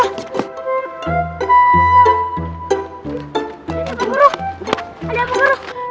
ayah guru ada apa guru